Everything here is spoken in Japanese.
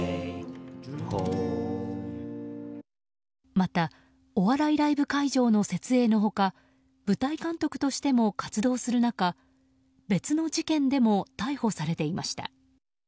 またお笑いライブ会場の設営の他舞台監督しても活動する中別の事件でも逮捕されていました。